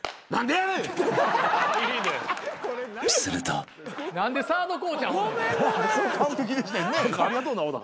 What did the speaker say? ありがとうな小田。